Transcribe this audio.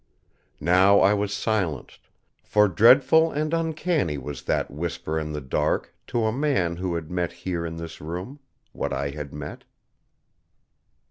Now I was silenced, for dreadful and uncanny was that whisper in the dark to a man who had met here in this room What I had met.